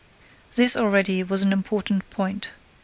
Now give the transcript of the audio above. This already was an important point.